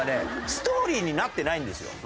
ストーリーになってないんですよ。